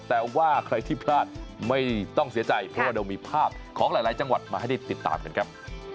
แต่ว่าใครที่พลาดไม่ต้องเสียใจเพราะว่าเรามีภาพของหลายจังหวัดมาให้ได้ติดตามกันครับ